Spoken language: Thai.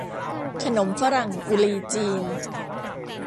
ขนมฝรั่งกุฎีจีน